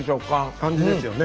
感じですよね。